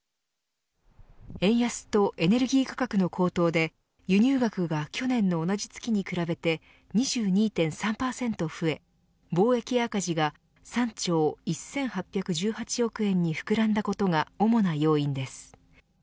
円安とエネルギー価格の高騰で輸入額が去年の同じ月に比べて２２．３％増え貿易赤字が３兆１８１８億円に膨らんだことが主な要因です。